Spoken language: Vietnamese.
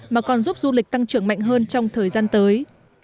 mà còn giúp du lịch tăng trưởng mạnh hơn trong thời gian tới